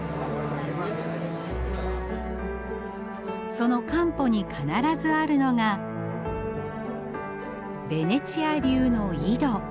そのカンポに必ずあるのがベネチア流の井戸。